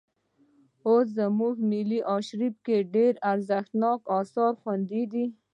اوس زموږ په ملي ارشیف کې ډېر ارزښتناک اثار خوندي دي.